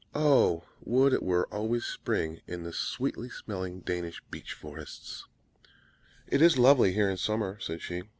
"Oh, would it were always spring in the sweetly smelling Danish beech forests!" * Asperula odorata. "It is lovely here in summer!" said she.